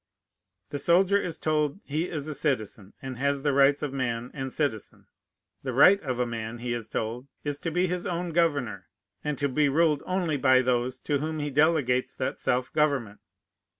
The soldier is told he is a citizen, and has the rights of man and citizen. The right of a man, he is told, is, to be his own governor, and to be ruled only by those to whom he delegates that self government.